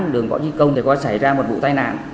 đường bảo chí công có xảy ra một vụ tai nạn